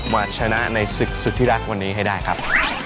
มาชนะในศึกสุธิรักวันนี้ให้ได้ครับ